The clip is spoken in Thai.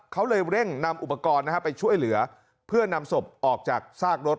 เขาเลยเร่งนำอุปกรณ์ไปช่วยเหลือเพื่อนำศพออกจากซากรถ